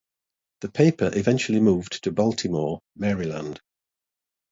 The paper eventually moved to Baltimore, Maryland.